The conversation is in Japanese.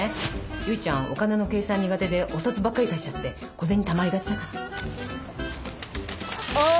結ちゃんお金の計算苦手でお札ばっかり出しちゃって小銭たまりがちだからあっ！